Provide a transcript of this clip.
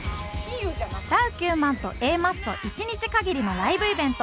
ダウ９００００と Ａ マッソ１日限りのライブイベント